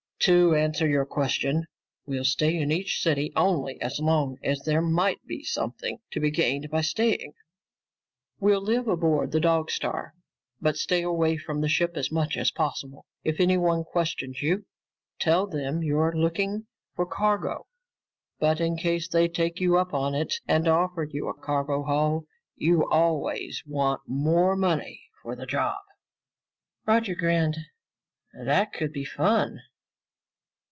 "To answer your question, we'll stay in each city only as long as there might be something to be gained by staying. We'll live aboard the Dog Star. But stay away from the ship as much as possible. If anyone questions you, tell them you're looking for cargo. But in case they take you up on it and offer you a cargo haul, you always want more money for the job." Roger grinned. "That could be fun."